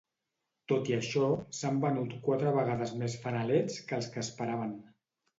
Tot i això, s'han venut quatre vegades més fanalets que els que esperaven.